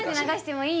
いい？